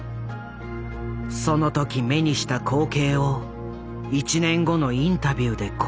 その時目にした光景を１年後のインタビューでこう語っている。